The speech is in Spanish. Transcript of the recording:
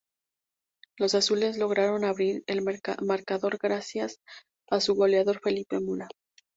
Los azules lograron abrir el marcador gracias a su goleador Felipe Mora.